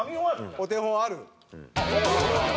お手本、ある？